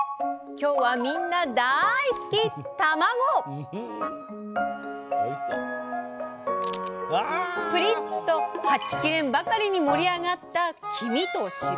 今日はみんなだい好きプリッとはち切れんばかりに盛り上がった黄身と白身！